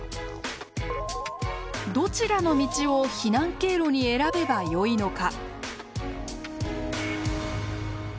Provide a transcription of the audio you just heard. どちらの道を避難経路に選べばよいのか。